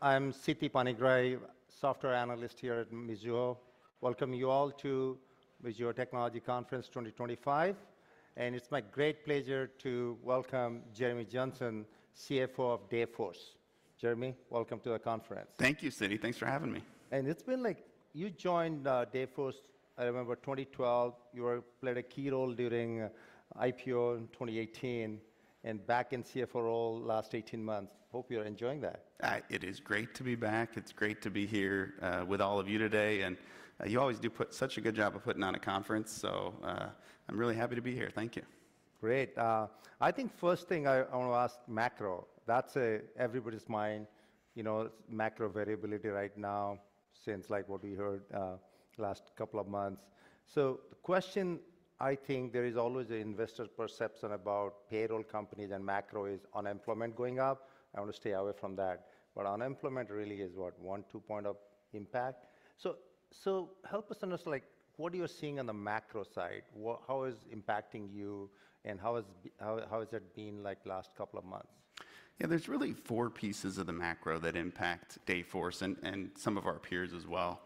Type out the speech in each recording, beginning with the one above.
I'm Siti Panigrahi, Software Analyst here at Mizuho. Welcome you all to Mizuho Technology Conference 2025. And it's my great pleasure to welcome Jeremy Johnson, CFO of Dayforce. Jeremy, welcome to the conference. Thank you, Siti. Thanks for having me. It's been like you joined Dayforce, I remember 2012. You played a key role during IPO in 2018 and back in CFO role last 18 months. Hope you're enjoying that. It is great to be back. It is great to be here with all of you today. You always do put such a good job of putting on a conference. I am really happy to be here. Thank you. Great. I think first thing I want to ask macro, that's everybody's mind, you know, macro variability right now since like what we heard last couple of months. The question I think there is always an investor's perception about payroll companies and macro is unemployment going up. I want to stay away from that. Unemployment really is what, one to point of impact. Help us understand like what you're seeing on the macro side. How is it impacting you and how has it been like last couple of months? Yeah, there's really four pieces of the macro that impact Dayforce and some of our peers as well.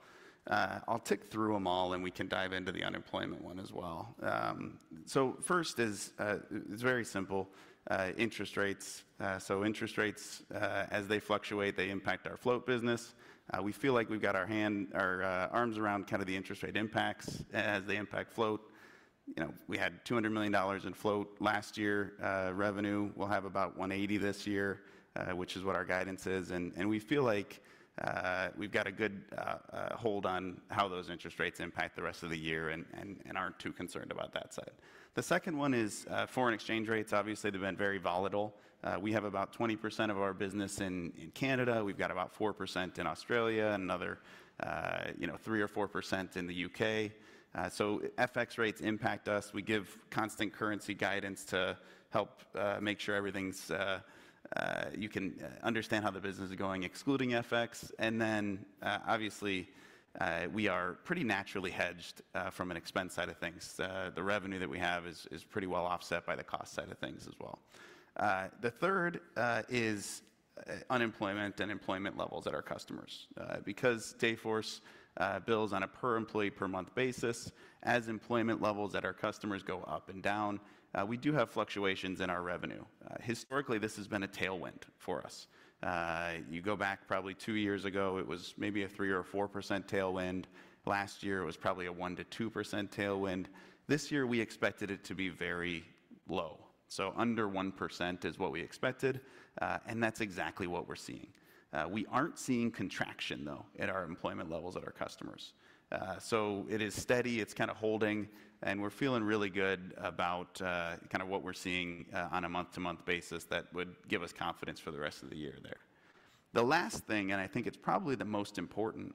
I'll tick through them all and we can dive into the unemployment one as well. First is very simple, interest rates. Interest rates, as they fluctuate, impact our float business. We feel like we've got our arms around kind of the interest rate impacts as they impact float. You know, we had $200 million in float last year revenue. We'll have about $180 million this year, which is what our guidance is. We feel like we've got a good hold on how those interest rates impact the rest of the year and aren't too concerned about that side. The second one is foreign exchange rates. Obviously, they've been very volatile. We have about 20% of our business in Canada. We've got about 4% in Australia and another 3% or 4% in the U.K. FX rates impact us. We give constant currency guidance to help make sure everything's, you can understand how the business is going, excluding FX. Obviously, we are pretty naturally hedged from an expense side of things. The revenue that we have is pretty well offset by the cost side of things as well. The third is unemployment and employment levels at our customers. Because Dayforce bills on a per-employee-per-month basis, as employment levels at our customers go up and down, we do have fluctuations in our revenue. Historically, this has been a tailwind for us. You go back probably two years ago, it was maybe a 3% or 4% tailwind. Last year, it was probably a 1%-2% tailwind. This year, we expected it to be very low. Under 1% is what we expected. That's exactly what we're seeing. We aren't seeing contraction though at our employment levels at our customers. It is steady. It's kind of holding. We're feeling really good about kind of what we're seeing on a month-to-month basis that would give us confidence for the rest of the year there. The last thing, and I think it's probably the most important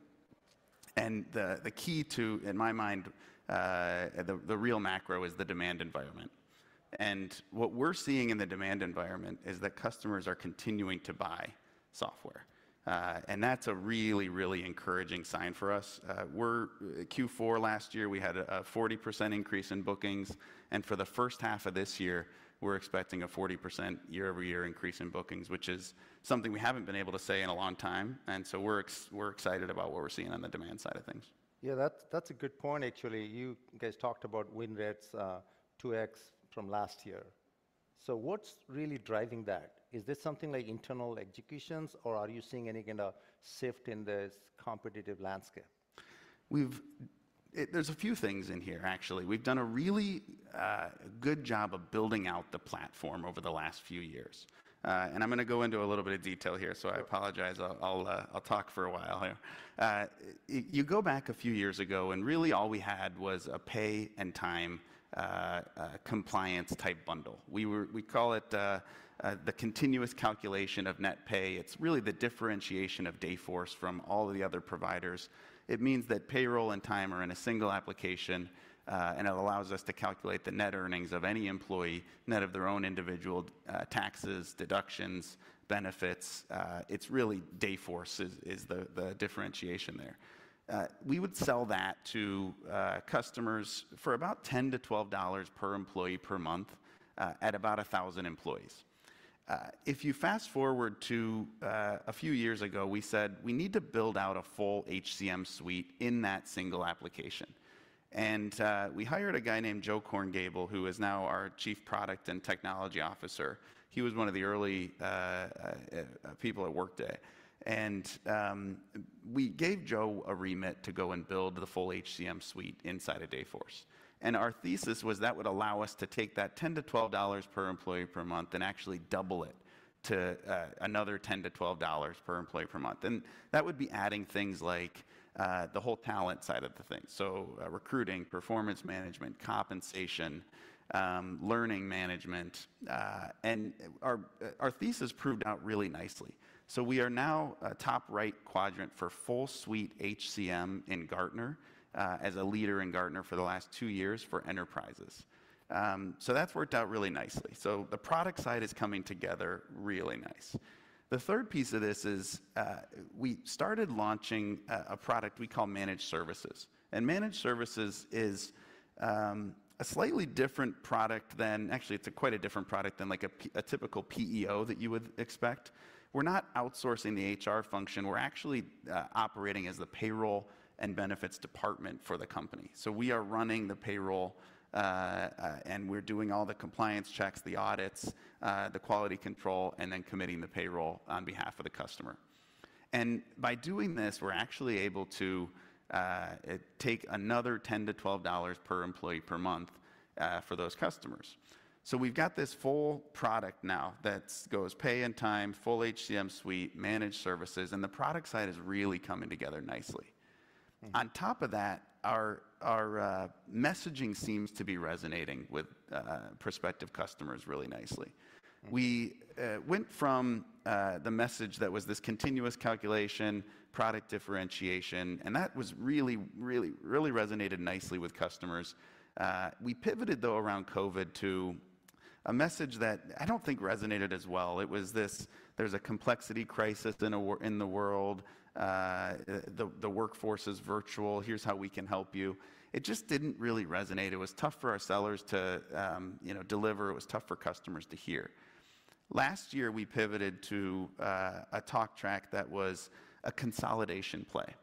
and the key to, in my mind, the real macro is the demand environment. What we're seeing in the demand environment is that customers are continuing to buy software. That's a really, really encouraging sign for us. Q4 last year, we had a 40% increase in bookings. For the first half of this year, we're expecting a 40% year-over-year increase in bookings, which is something we haven't been able to say in a long time. We're excited about what we're seeing on the demand side of things. Yeah, that's a good point actually. You guys talked about win rates 2X from last year. What's really driving that? Is this something like internal executions or are you seeing any kind of shift in this competitive landscape? There's a few things in here actually. We've done a really good job of building out the platform over the last few years. I'm going to go into a little bit of detail here. I apologize. I'll talk for a while here. You go back a few years ago and really all we had was a pay and time compliance type bundle. We call it the continuous calculation of net pay. It's really the differentiation of Dayforce from all of the other providers. It means that payroll and time are in a single application and it allows us to calculate the net earnings of any employee, net of their own individual taxes, deductions, benefits. It's really Dayforce is the differentiation there. We would sell that to customers for about $10-$12 per employee per month at about 1,000 employees. If you fast forward to a few years ago, we said we need to build out a full HCM suite in that single application. We hired a guy named Joe Korngiebel, who is now our Chief Product and Technology Officer. He was one of the early people at Workday. We gave Joe a remit to go and build the full HCM suite inside of Dayforce. Our thesis was that would allow us to take that $10-$12 per employee per month and actually double it to another $10-$12 per employee per month. That would be adding things like the whole talent side of the thing, so recruiting, performance management, compensation, learning management. Our thesis proved out really nicely. We are now a top right quadrant for full suite HCM in Gartner as a leader in Gartner for the last two years for enterprises. That has worked out really nicely. The product side is coming together really nice. The third piece of this is we started launching a product we call Managed Services. Managed Services is a slightly different product than, actually, it is quite a different product than like a typical PEO that you would expect. We are not outsourcing the HR function. We are actually operating as the payroll and benefits department for the company. We are running the payroll and we are doing all the compliance checks, the audits, the quality control, and then committing the payroll on behalf of the customer. By doing this, we are actually able to take another $10-$12 per employee per month for those customers. We've got this full product now that goes pay and time, full HCM suite, managed services, and the product side is really coming together nicely. On top of that, our messaging seems to be resonating with prospective customers really nicely. We went from the message that was this continuous calculation, product differentiation, and that really, really resonated nicely with customers. We pivoted though around COVID to a message that I don't think resonated as well. It was this, there's a complexity crisis in the world. The workforce is virtual. Here's how we can help you. It just didn't really resonate. It was tough for our sellers to deliver. It was tough for customers to hear. Last year, we pivoted to a talk track that was a consolidation play.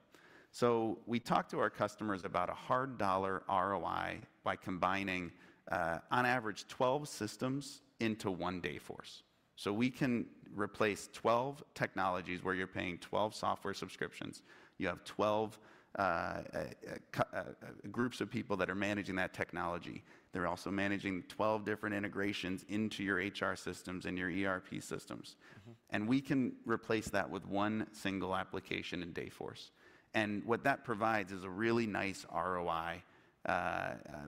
We talked to our customers about a hard dollar ROI by combining, on average, 12 systems into one Dayforce. We can replace 12 technologies where you're paying 12 software subscriptions. You have 12 groups of people that are managing that technology. They're also managing 12 different integrations into your HR systems and your ERP systems. We can replace that with one single application in Dayforce. What that provides is a really nice ROI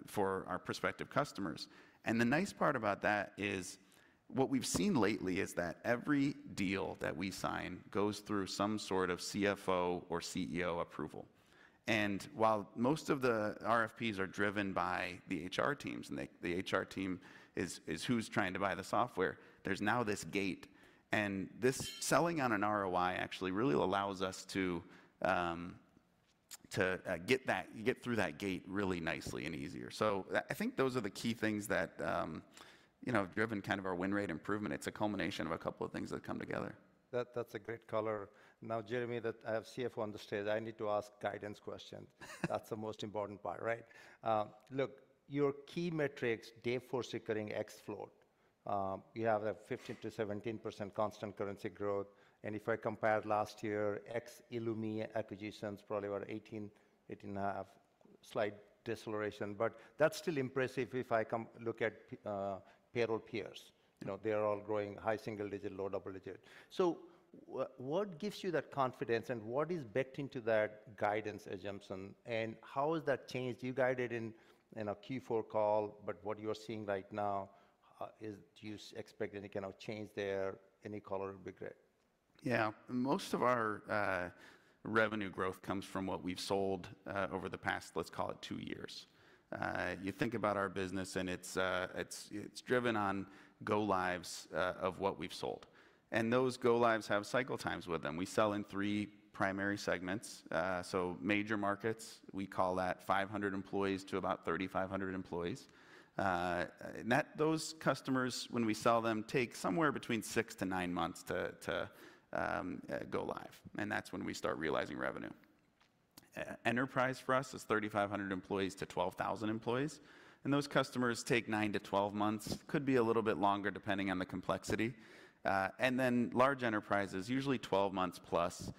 for our prospective customers. The nice part about that is what we've seen lately is that every deal that we sign goes through some sort of CFO or CEO approval. While most of the RFPs are driven by the HR teams and the HR team is who's trying to buy the software, there's now this gate. Selling on an ROI actually really allows us to get through that gate really nicely and easier. I think those are the key things that have driven kind of our win rate improvement. It's a combination of a couple of things that come together. That's a great color. Now, Jeremy, that I have CFO on the stage, I need to ask guidance questions. That's the most important part, right? Look, your key metrics, Dayforce recurring ex float, you have a 15%-17% constant currency growth. And if I compare last year, ex Illumia acquisitions, probably about 18%, 18.5%, slight deceleration. But that's still impressive if I look at payroll peers. They're all growing high single digit, low double digit. So what gives you that confidence and what is baked into that guidance assumption, and how has that changed? You guided in a Q4 call, but what you are seeing right now, do you expect any kind of change there? Any color would be great. Yeah. Most of our revenue growth comes from what we've sold over the past, let's call it, two years. You think about our business and it's driven on go lives of what we've sold. Those go lives have cycle times with them. We sell in three primary segments. Major markets, we call that 500 employees to about 3,500 employees. Those customers, when we sell them, take somewhere between six to nine months to go live. That's when we start realizing revenue. Enterprise for us is 3,500 employees to 12,000 employees. Those customers take nine to twelve months. Could be a little bit longer depending on the complexity. Large enterprises, usually twelve months plus.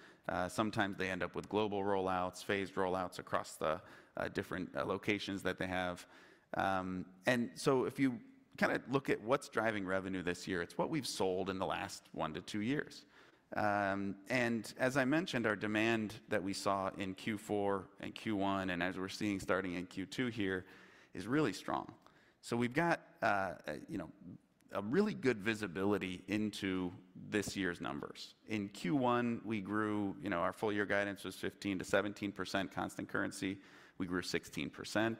Sometimes they end up with global rollouts, phased rollouts across the different locations that they have. If you kind of look at what's driving revenue this year, it's what we've sold in the last one to two years. As I mentioned, our demand that we saw in Q4 and Q1 and as we're seeing starting in Q2 here is really strong. We've got really good visibility into this year's numbers. In Q1, we grew, our full year guidance was 15%-17% constant currency. We grew 16%.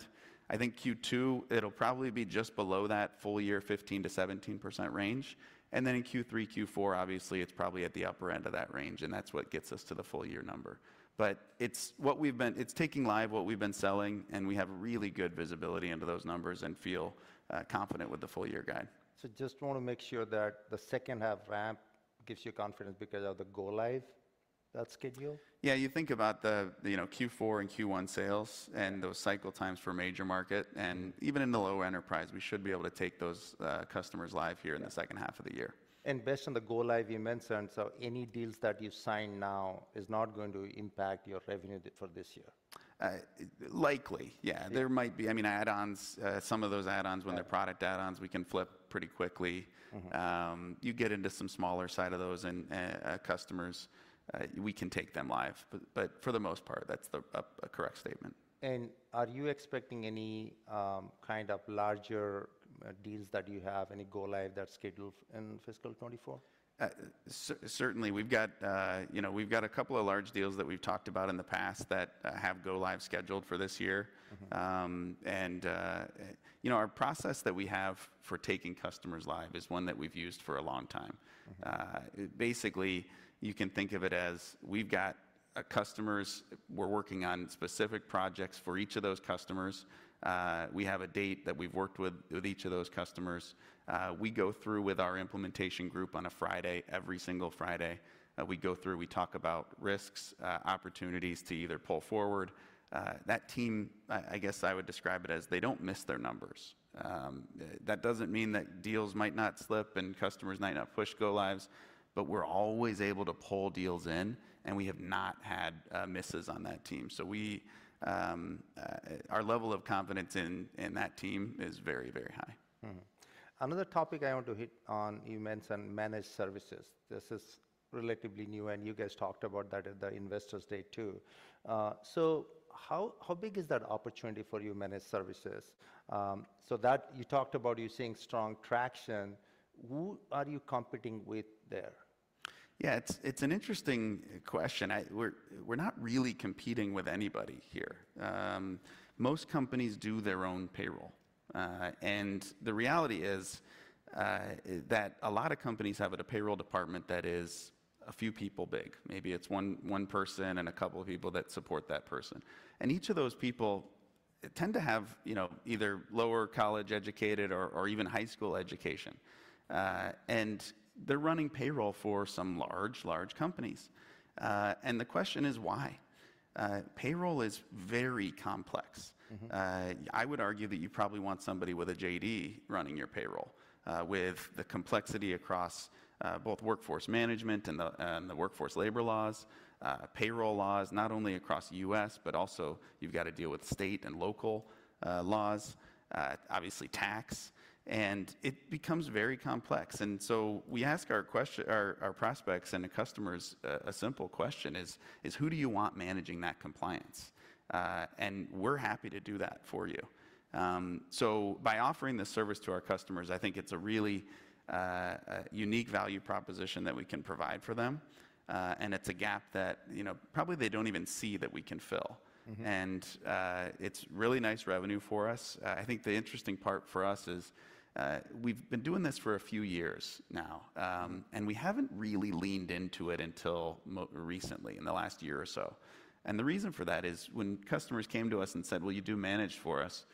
I think Q2, it'll probably be just below that full year 15%-17% range. In Q3, Q4, obviously it's probably at the upper end of that range. That's what gets us to the full year number. It's taking live what we've been selling and we have really good visibility into those numbers and feel confident with the full year guide. Just want to make sure that the second half ramp gives you confidence because of the go live schedule. Yeah, you think about the Q4 and Q1 sales and those cycle times for major market. Even in the low enterprise, we should be able to take those customers live here in the second half of the year. Based on the go live you mentioned, any deals that you sign now is not going to impact your revenue for this year. Likely, yeah. There might be, I mean, add-ons, some of those add-ons when they're product add-ons, we can flip pretty quickly. You get into some smaller side of those and customers, we can take them live. For the most part, that's a correct statement. Are you expecting any kind of larger deals that you have, any go live that's scheduled in fiscal 2024? Certainly. We've got a couple of large deals that we've talked about in the past that have go live scheduled for this year. Our process that we have for taking customers live is one that we've used for a long time. Basically, you can think of it as we've got customers, we're working on specific projects for each of those customers. We have a date that we've worked with each of those customers. We go through with our implementation group on a Friday, every single Friday. We go through, we talk about risks, opportunities to either pull forward. That team, I guess I would describe it as they don't miss their numbers. That doesn't mean that deals might not slip and customers might not push go lives, but we're always able to pull deals in and we have not had misses on that team. Our level of confidence in that team is very, very high. Another topic I want to hit on, you mentioned managed services. This is relatively new and you guys talked about that at the investor's day too. How big is that opportunity for you, managed services? You talked about you seeing strong traction. Who are you competing with there? Yeah, it's an interesting question. We're not really competing with anybody here. Most companies do their own payroll. The reality is that a lot of companies have a payroll department that is a few people big. Maybe it's one person and a couple of people that support that person. Each of those people tend to have either lower college educated or even high school education. They're running payroll for some large, large companies. The question is why? Payroll is very complex. I would argue that you probably want somebody with a JD running your payroll with the complexity across both workforce management and the workforce labor laws, payroll laws, not only across the U.S., but also you've got to deal with state and local laws, obviously tax. It becomes very complex. We ask our prospects and customers a simple question: who do you want managing that compliance? We are happy to do that for you. By offering the service to our customers, I think it is a really unique value proposition that we can provide for them. It is a gap that probably they do not even see that we can fill. It is really nice revenue for us. I think the interesting part for us is we have been doing this for a few years now. We have not really leaned into it until recently, in the last year or so. The reason for that is when customers came to us and said, well, you do manage for us,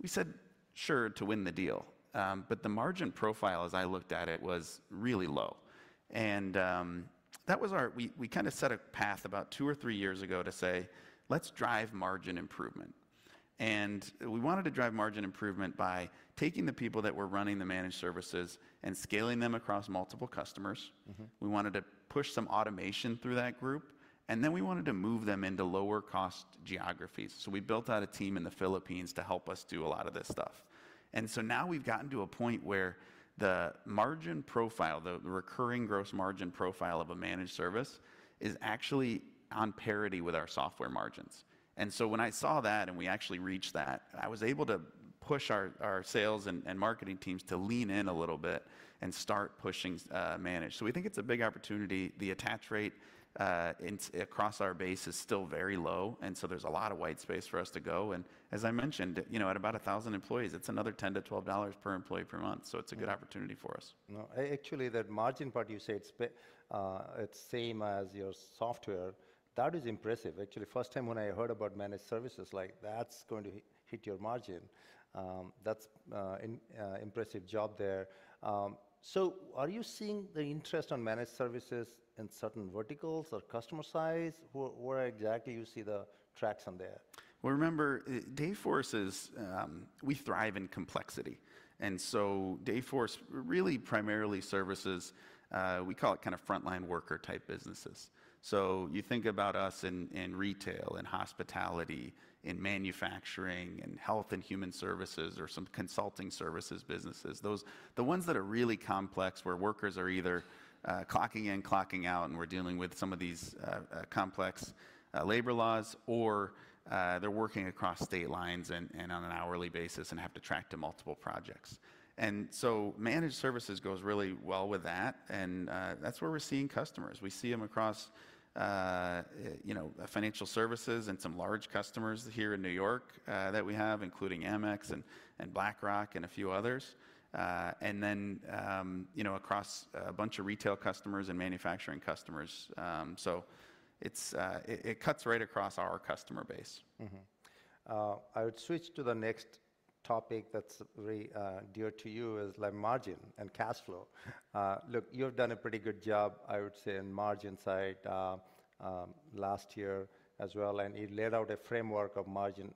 we said, sure, to win the deal. The margin profile, as I looked at it, was really low. That was our, we kind of set a path about two or three years ago to say, let's drive margin improvement. We wanted to drive margin improvement by taking the people that were running the managed services and scaling them across multiple customers. We wanted to push some automation through that group. We wanted to move them into lower cost geographies. We built out a team in the Philippines to help us do a lot of this stuff. Now we've gotten to a point where the margin profile, the recurring gross margin profile of a managed service is actually on parity with our software margins. When I saw that and we actually reached that, I was able to push our sales and marketing teams to lean in a little bit and start pushing managed. We think it's a big opportunity. The attach rate across our base is still very low. There is a lot of white space for us to go. As I mentioned, at about 1,000 employees, it is another $10-$12 per employee per month. It is a good opportunity for us. Actually, that margin part you said it's same as your software. That is impressive. Actually, first time when I heard about managed services, like that's going to hit your margin. That's an impressive job there. Are you seeing the interest on managed services in certain verticals or customer size? Where exactly you see the tracks on there? Dayforce is, we thrive in complexity. Dayforce really primarily services, we call it kind of frontline worker type businesses. You think about us in retail and hospitality and manufacturing and health and human services or some consulting services businesses. The ones that are really complex where workers are either clocking in, clocking out, and we're dealing with some of these complex labor laws or they're working across state lines and on an hourly basis and have to track to multiple projects. Managed services goes really well with that. That's where we're seeing customers. We see them across financial services and some large customers here in New York that we have, including AMEX and BlackRock and a few others. Then across a bunch of retail customers and manufacturing customers. It cuts right across our customer base. I would switch to the next topic that's very dear to you, is margin and cash flow. Look, you've done a pretty good job, I would say, in margin side last year as well. You laid out a framework of margin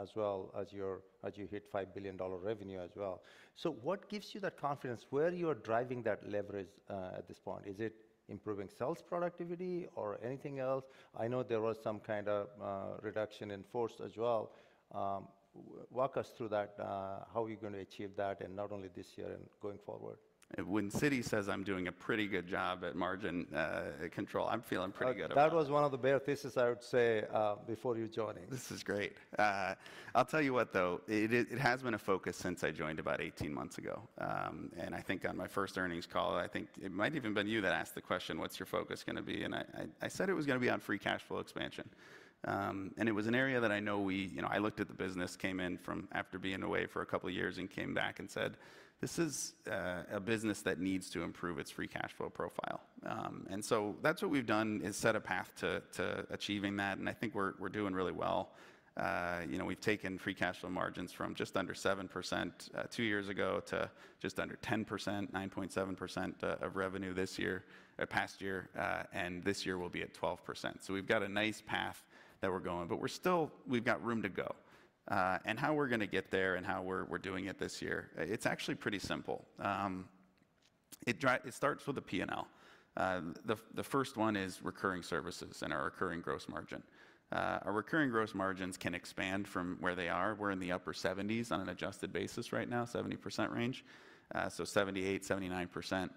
as well as you hit $5 billion revenue as well. What gives you that confidence? Where are you driving that leverage at this point? Is it improving sales productivity or anything else? I know there was some kind of reduction in force as well. Walk us through that. How are you going to achieve that and not only this year and going forward? When Citi says I'm doing a pretty good job at margin control, I'm feeling pretty good about it. That was one of the bare thesis, I would say, before you joined. This is great. I'll tell you what though, it has been a focus since I joined about 18 months ago. I think on my first earnings call, I think it might even have been you that asked the question, what's your focus going to be? I said it was going to be on free cash flow expansion. It was an area that I know we, I looked at the business, came in from after being away for a couple of years and came back and said, this is a business that needs to improve its free cash flow profile. That is what we've done is set a path to achieving that. I think we're doing really well. We've taken free cash flow margins from just under 7% two years ago to just under 10%, 9.7% of revenue this year, past year, and this year will be at 12%. We've got a nice path that we're going, but we've got room to go. How we're going to get there and how we're doing it this year, it's actually pretty simple. It starts with a P&L. The first one is recurring services and our recurring gross margin. Our recurring gross margins can expand from where they are. We're in the upper 70s on an adjusted basis right now, 70% range, so 78%, 79%.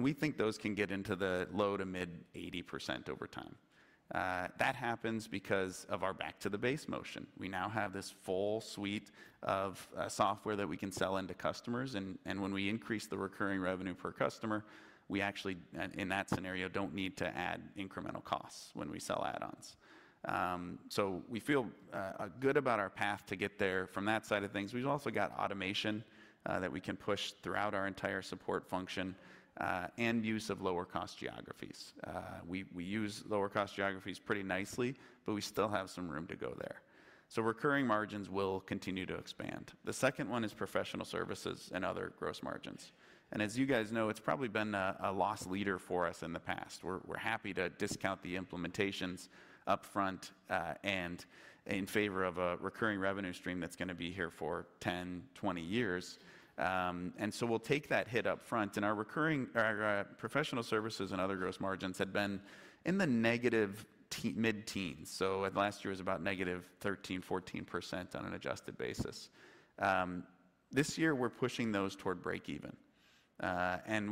We think those can get into the low to mid 80% over time. That happens because of our back to the base motion. We now have this full suite of software that we can sell into customers. When we increase the recurring revenue per customer, we actually, in that scenario, do not need to add incremental costs when we sell add-ons. We feel good about our path to get there from that side of things. We have also got automation that we can push throughout our entire support function and use of lower cost geographies. We use lower cost geographies pretty nicely, but we still have some room to go there. Recurring margins will continue to expand. The second one is professional services and other gross margins. As you guys know, it has probably been a loss leader for us in the past. We are happy to discount the implementations upfront and in favor of a recurring revenue stream that is going to be here for 10, 20 years. We will take that hit upfront. Our recurring, our professional services and other gross margins had been in the negative mid teens. Last year was about negative 13%-14% on an adjusted basis. This year we're pushing those toward break even.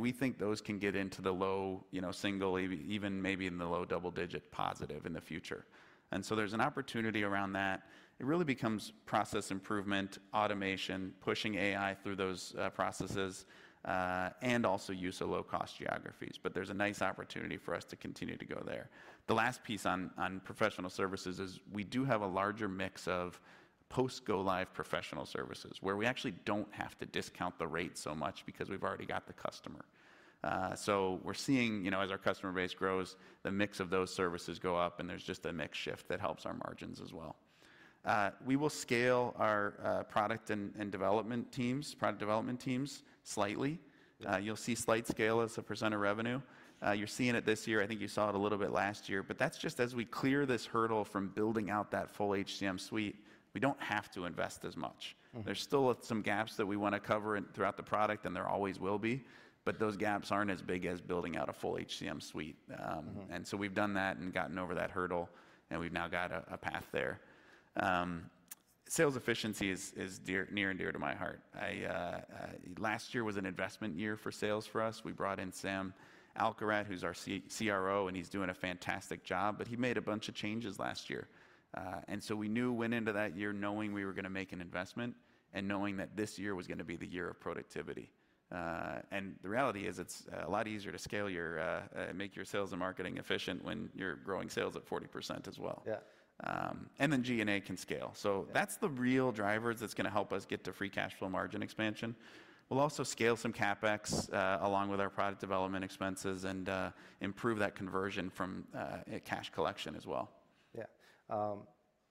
We think those can get into the low single, even maybe in the low double digit positive in the future. There's an opportunity around that. It really becomes process improvement, automation, pushing AI through those processes and also use of low cost geographies. There's a nice opportunity for us to continue to go there. The last piece on professional services is we do have a larger mix of post-go live professional services where we actually do not have to discount the rate so much because we've already got the customer. We're seeing as our customer base grows, the mix of those services go up and there's just a mix shift that helps our margins as well. We will scale our product and development teams, product development teams slightly. You'll see slight scale as a % of revenue. You're seeing it this year. I think you saw it a little bit last year, but that's just as we clear this hurdle from building out that full HCM suite, we don't have to invest as much. There's still some gaps that we want to cover throughout the product and there always will be, but those gaps aren't as big as building out a full HCM suite. We've done that and gotten over that hurdle and we've now got a path there. Sales efficiency is near and dear to my heart. Last year was an investment year for sales for us. We brought in Sam Alkharrat, who's our CRO, and he's doing a fantastic job, but he made a bunch of changes last year. We knew, went into that year knowing we were going to make an investment and knowing that this year was going to be the year of productivity. The reality is it's a lot easier to scale your, make your sales and marketing efficient when you're growing sales at 40% as well. G&A can scale. That's the real drivers that's going to help us get to free cash flow margin expansion. We'll also scale some CapEx along with our product development expenses and improve that conversion from cash collection as well. Yeah.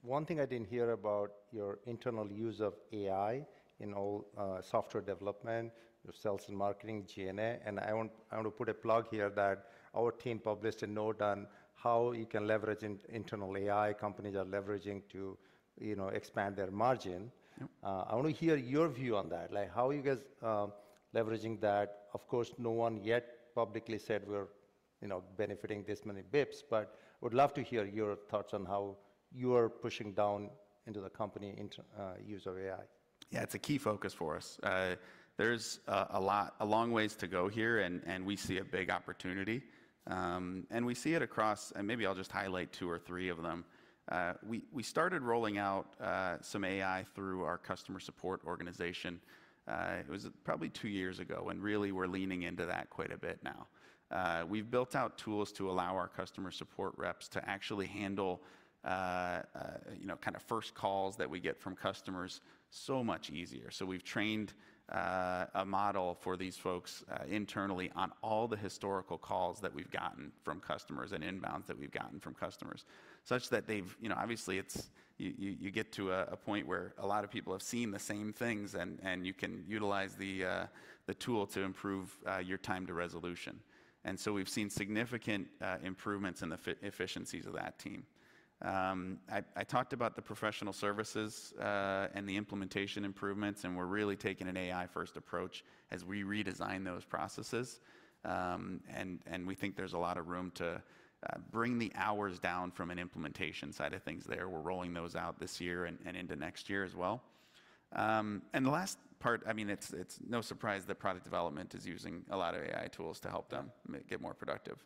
One thing I did not hear about your internal use of AI in all software development, your sales and marketing, G&A. I want to put a plug here that our team published a note on how you can leverage internal AI companies are leveraging to expand their margin. I want to hear your view on that. Like how are you guys leveraging that? Of course, no one yet publicly said we are benefiting this many basis points, but would love to hear your thoughts on how you are pushing down into the company use of AI. Yeah, it's a key focus for us. There's a lot, a long ways to go here and we see a big opportunity. We see it across, and maybe I'll just highlight two or three of them. We started rolling out some AI through our customer support organization. It was probably two years ago and really we're leaning into that quite a bit now. We've built out tools to allow our customer support reps to actually handle kind of first calls that we get from customers so much easier. We've trained a model for these folks internally on all the historical calls that we've gotten from customers and inbounds that we've gotten from customers such that they've, obviously you get to a point where a lot of people have seen the same things and you can utilize the tool to improve your time to resolution. We have seen significant improvements in the efficiencies of that team. I talked about the professional services and the implementation improvements and we are really taking an AI first approach as we redesign those processes. We think there is a lot of room to bring the hours down from an implementation side of things there. We are rolling those out this year and into next year as well. The last part, I mean, it is no surprise that product development is using a lot of AI tools to help them get more productive.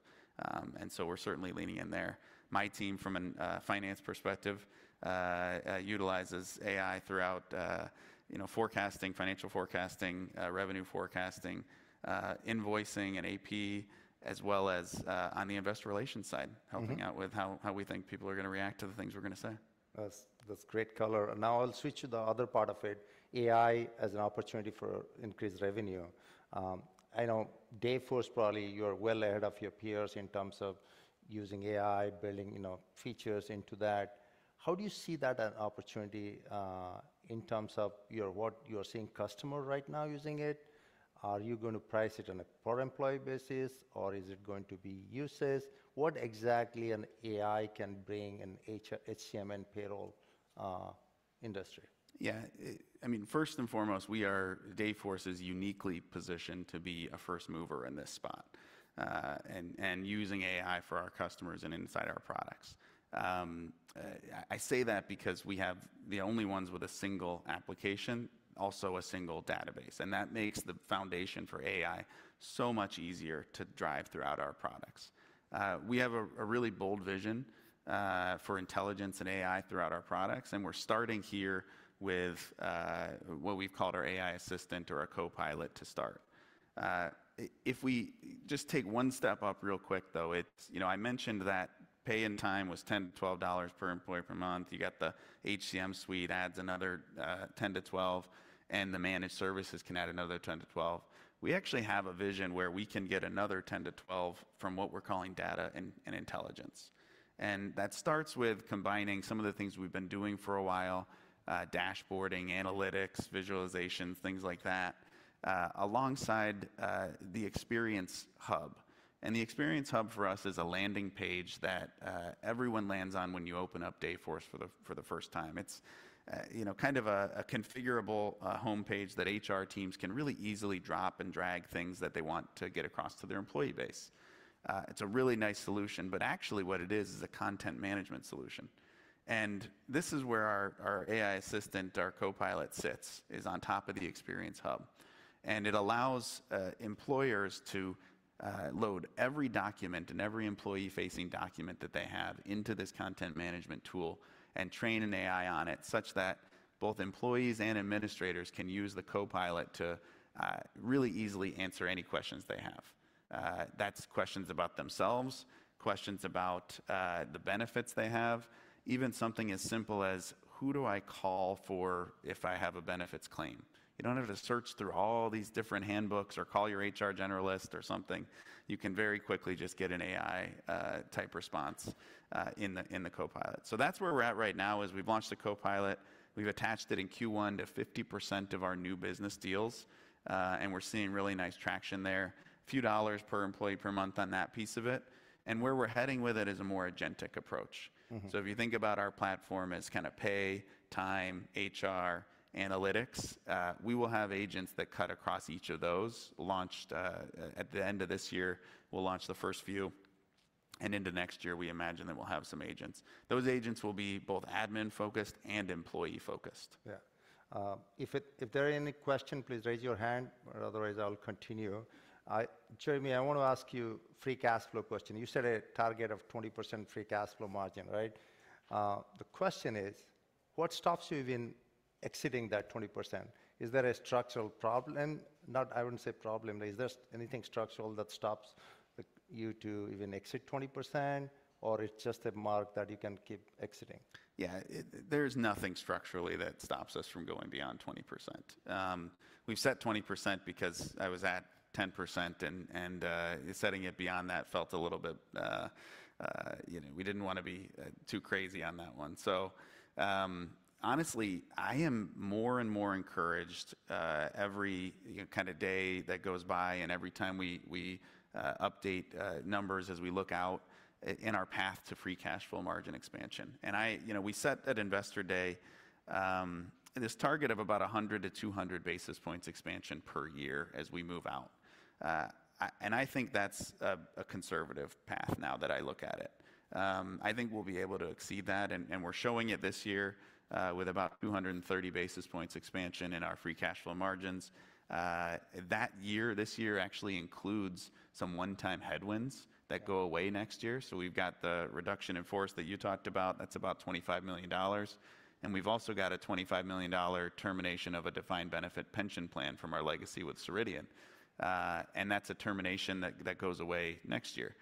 We are certainly leaning in there. My team from a finance perspective utilizes AI throughout forecasting, financial forecasting, revenue forecasting, invoicing and AP, as well as on the investor relations side, helping out with how we think people are going to react to the things we are going to say. That's great color. Now I'll switch to the other part of it, AI as an opportunity for increased revenue. I know Dayforce probably you're well ahead of your peers in terms of using AI, building features into that. How do you see that opportunity in terms of what you're seeing customers right now using it? Are you going to price it on a per employee basis or is it going to be usage? What exactly can AI bring in HCM and payroll industry? Yeah. I mean, first and foremost, we are, Dayforce is uniquely positioned to be a first mover in this spot and using AI for our customers and inside our products. I say that because we have the only ones with a single application, also a single database. That makes the foundation for AI so much easier to drive throughout our products. We have a really bold vision for intelligence and AI throughout our products. We are starting here with what we've called our AI assistant or our co-pilot to start. If we just take one step up real quick though, I mentioned that pay in time was $10-$12 per employee per month. You got the HCM suite adds another $10-$12 and the managed services can add another $10-$12. We actually have a vision where we can get another $10-$12 from what we're calling data and intelligence. That starts with combining some of the things we've been doing for a while, dashboarding, analytics, visualizations, things like that, alongside the Experience Hub. The Experience Hub for us is a landing page that everyone lands on when you open up Dayforce for the first time. It's kind of a configurable homepage that HR teams can really easily drop and drag things that they want to get across to their employee base. It's a really nice solution, but actually what it is is a content management solution. This is where our AI Assistant, our Co-Pilot sits, is on top of the Experience Hub. It allows employers to load every document and every employee-facing document that they have into this content management tool and train an AI on it such that both employees and administrators can use the co-pilot to really easily answer any questions they have. That's questions about themselves, questions about the benefits they have, even something as simple as who do I call for if I have a benefits claim. You don't have to search through all these different handbooks or call your HR generalist or something. You can very quickly just get an AI type response in the co-pilot. That's where we're at right now is we've launched the co-pilot. We've attached it in Q1 to 50% of our new business deals. We're seeing really nice traction there, a few dollars per employee per month on that piece of it. Where we're heading with it is a more agentic approach. If you think about our platform as kind of pay, time, HR, analytics, we will have agents that cut across each of those. At the end of this year, we'll launch the first few. Into next year, we imagine that we'll have some agents. Those agents will be both admin-focused and employee-focused. Yeah. If there are any questions, please raise your hand or otherwise I'll continue. Jeremy, I want to ask you a free cash flow question. You said a target of 20% free cash flow margin, right? The question is, what stops you even exceeding that 20%? Is there a structural problem? I wouldn't say problem. Is there anything structural that stops you to even exceed 20% or it's just a mark that you can keep exceeding? Yeah. There's nothing structurally that stops us from going beyond 20%. We've set 20% because I was at 10% and setting it beyond that felt a little bit, we didn't want to be too crazy on that one. Honestly, I am more and more encouraged every kind of day that goes by and every time we update numbers as we look out in our path to free cash flow margin expansion. We set at investor day this target of about 100-200 basis points expansion per year as we move out. I think that's a conservative path now that I look at it. I think we'll be able to exceed that and we're showing it this year with about 230 basis points expansion in our free cash flow margins. That year, this year actually includes some one-time headwinds that go away next year. We've got the reduction in force that you talked about. That's about $25 million. We've also got a $25 million termination of a defined benefit pension plan from our legacy with Ceridian. That's a termination that goes away next year.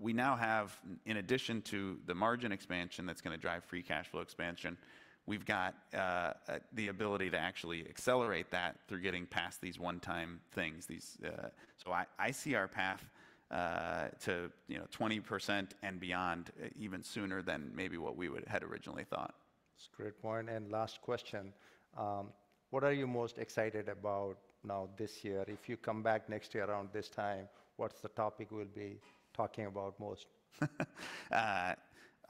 We now have, in addition to the margin expansion that's going to drive free cash flow expansion, the ability to actually accelerate that through getting past these one-time things. I see our path to 20% and beyond even sooner than maybe what we had originally thought. That's a great point. Last question. What are you most excited about now this year? If you come back next year around this time, what's the topic we'll be talking about most?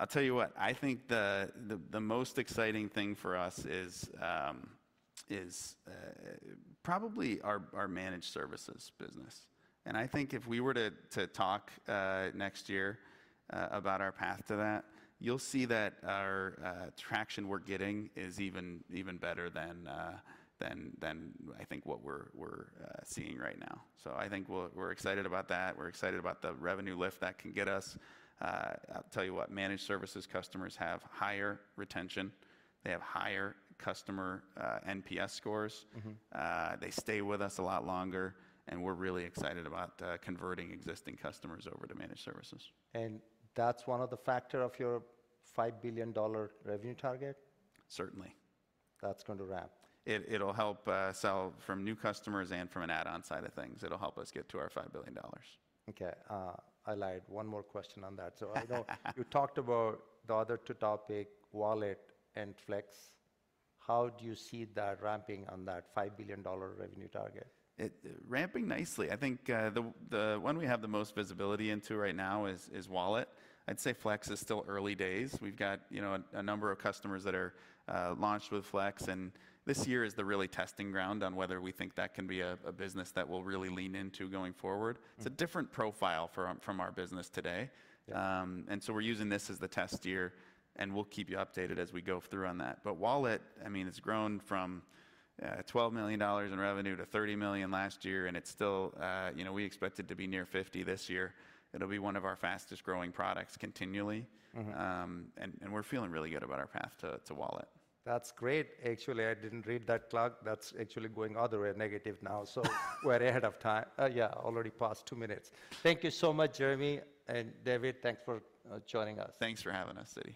I'll tell you what, I think the most exciting thing for us is probably our managed services business. I think if we were to talk next year about our path to that, you'll see that our traction we're getting is even better than I think what we're seeing right now. I think we're excited about that. We're excited about the revenue lift that can get us. I'll tell you what, managed services customers have higher retention. They have higher customer NPS scores. They stay with us a lot longer. We're really excited about converting existing customers over to managed services. That's one of the factors of your $5 billion revenue target? Certainly. That's going to ramp. It'll help sell from new customers and from an add-on side of things. It'll help us get to our $5 billion. Okay. I lied. One more question on that. You talked about the other two topics, Wallet and Flex. How do you see that ramping on that $5 billion revenue target? Ramping nicely. I think the one we have the most visibility into right now is Wallet. I'd say Flex is still early days. We've got a number of customers that are launched with Flex. This year is the really testing ground on whether we think that can be a business that we'll really lean into going forward. It's a different profile from our business today. We are using this as the test year and we'll keep you updated as we go through on that. Wallet, I mean, it's grown from $12 million in revenue to $30 million last year and we expect it to be near $50 million this year. It'll be one of our fastest growing products continually. We're feeling really good about our path to Wallet. That's great. Actually, I didn't read that clock. That's actually going all the way negative now. So we're ahead of time. Yeah, already past two minutes. Thank you so much, Jeremy and David. Thanks for joining us. Thanks for having us, Siti.